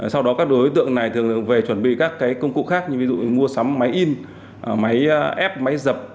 sau đó các đối tượng này thường về chuẩn bị các công cụ khác như ví dụ như mua sắm máy in máy ép máy dập